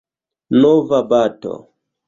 Nova bato.